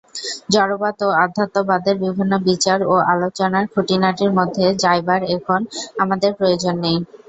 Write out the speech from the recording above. জড়বাদ ও অধ্যাত্মবাদের বিভিন্ন বিচার ও আলোচনার খুঁটিনাটির মধ্যে যাইবার এখন আমাদের প্রয়োজন নাই।